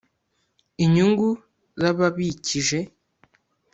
inyungu z ‘ababikije.